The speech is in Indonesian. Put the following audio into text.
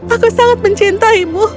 aku sangat mencintaimu